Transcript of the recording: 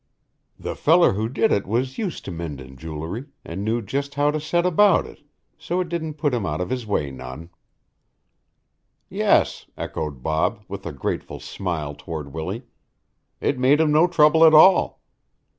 "The feller who did it was used to mendin' jewelry an' knew just how to set about it, so it didn't put him out of his way none." "Yes," echoed Bob, with a grateful smile toward Willie. "It made him no trouble at all."